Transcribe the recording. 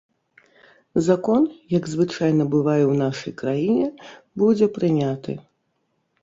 Закон, як звычайна бывае ў нашай краіне, будзе прыняты.